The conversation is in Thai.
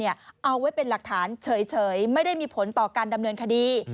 เอาไว้เป็นหลักฐานเฉยไม่ได้มีผลต่อการดำเนินคดี